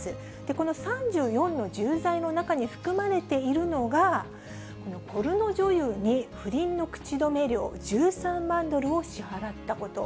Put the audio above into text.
この３４の重罪の中に含まれているのが、ポルノ女優に不倫の口止め料１３万ドルを支払ったこと。